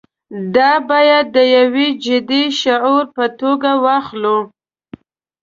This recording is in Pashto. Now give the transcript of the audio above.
دا باید د یوه جدي شعور په توګه واخلو.